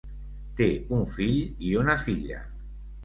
Té un fill i una filla.